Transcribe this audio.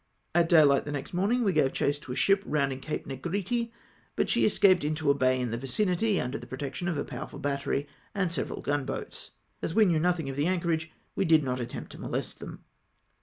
At daylight the next morning we gaye chase to a ship rounding Cape Negretti, but she escaped into a bay in the vicinity, under the protection of a power ful battery and several gunboats. As we knew nothing of the anchorage we did not attempt to molest them.